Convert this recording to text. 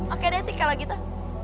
oke deti kalau gitu